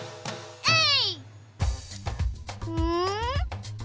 えい！